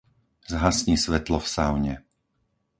Zhasni svetlo v saune.